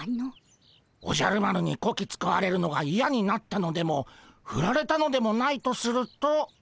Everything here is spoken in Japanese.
おじゃる丸にこき使われるのがいやになったのでもふられたのでもないとすると。